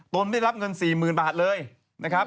ได้รับเงิน๔๐๐๐บาทเลยนะครับ